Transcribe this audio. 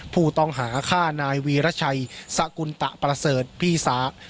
ผู้ต้องหาฆ่านายวีรชัยสกุลตะประเสริฐพี่สาว